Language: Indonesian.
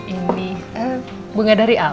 ini bunga dari al